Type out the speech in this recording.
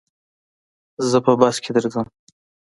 زه په بس کي درځم.